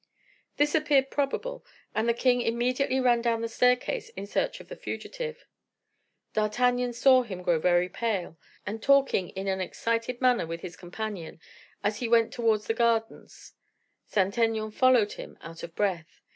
This appeared probable, and the king immediately ran down the staircase in search of the fugitive. D'Artagnan saw him grow very pale, and talking in an excited manner with his companion, as he went towards the gardens; Saint Aignan following him, out of breath.